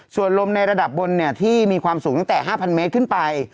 ส่วนลมในระดับบนที่มีความสูงตั้งแต่๕๐๐เมตรขึ้นไป